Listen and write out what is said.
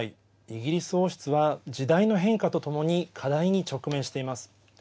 イギリス王室は時代の変化とともに課題に直面しています。